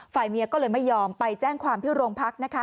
เมียก็เลยไม่ยอมไปแจ้งความที่โรงพักนะคะ